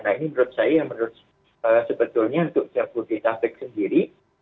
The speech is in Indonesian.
nah ini menurut saya yang menurut sebetulnya untuk jabodetabek sendiri